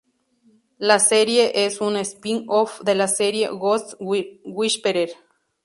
La serie es un "spin-off" de la serie Ghost Whisperer.